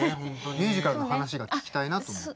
ミュージカルの話が聞きたいなと思って。